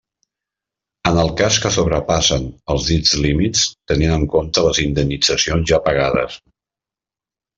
En el cas que sobrepassen els dits límits, tenint en compte les indemnitzacions ja pagades.